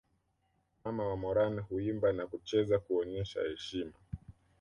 Mama wa Moran huimba na kucheza kuonyesha heshima